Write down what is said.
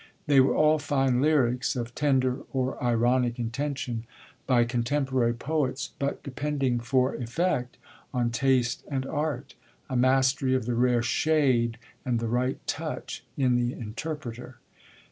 They were all fine lyrics, of tender or ironic intention, by contemporary poets, but depending for effect on taste and art, a mastery of the rare shade and the right touch, in the interpreter.